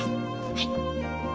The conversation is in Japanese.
はい。